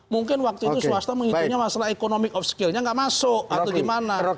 mungkin waktu itu swasta mengikuti masalah economic of skill nya tidak masuk atau bagaimana